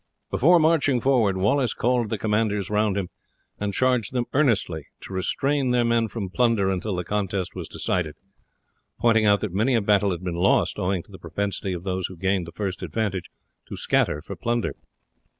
Before marching forward Wallace called the commanders round him and charged them earnestly to restrain their men from plunder until the contest was decided, pointing out that many a battle had been lost owing to the propensity of those who gained the first advantage to scatter for plunder.